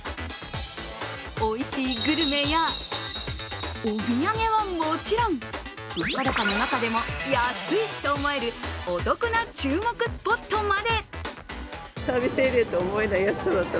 おいしいグルメやお土産はもちろん物価高の中でも安いと思えるお得な注目スポットまで。